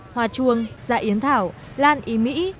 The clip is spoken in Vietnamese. hoa chuông dạ yến thảo lan y mỹ